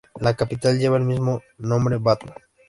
La capital lleva el mismo nombre: Batna.